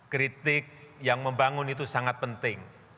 kritik yang membangun itu sangat penting